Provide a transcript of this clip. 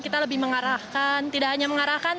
kita lebih mengarahkan tidak hanya mengarahkan